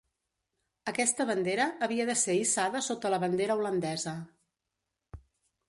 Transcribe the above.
Aquesta bandera havia de ser hissada sota la bandera holandesa.